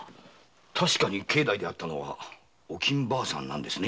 確かに境内で会ったのはおきん婆さんなんですね？